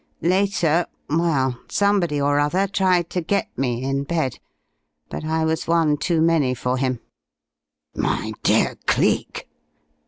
Later well, somebody or other tried to get me in bed. But I was one too many for him " "My dear Cleek!"